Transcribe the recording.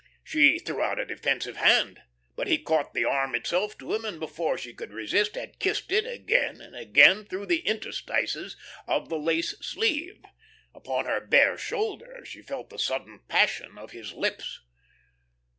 She threw out a defensive hand, but he caught the arm itself to him and, before she could resist, had kissed it again and again through the interstices of the lace sleeve. Upon her bare shoulder she felt the sudden passion of his lips.